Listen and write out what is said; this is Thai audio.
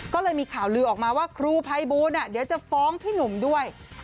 ก็เลยมีข่าวลือออกมาว่าครูภัยบูลเดี๋ยวจะฟ้องพี่หนุ่มด้วย